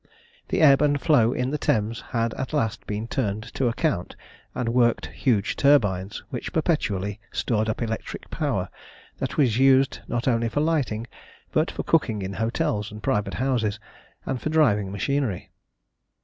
The ebb and flow in the Thames had at last been turned to account, and worked huge turbines which perpetually stored up electric power that was used not only for lighting, but for cooking in hotels and private houses, and for driving machinery.